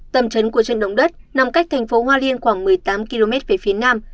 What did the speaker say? tầm trấn của trận động đất nằm cách thành phố hoa liên khoảng một mươi tám km về phía nam